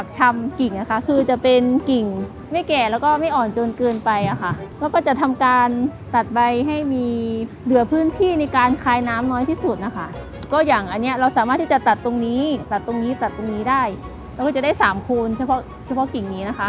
ทำการปักชำกลิ่งนะคะคือจะเป็น